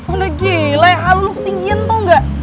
udah gila ya alu lo ketinggian tau nggak